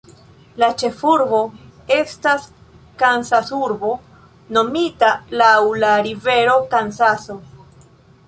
La ĉefurbo estas Kansasurbo, nomita laŭ la rivero Kansaso.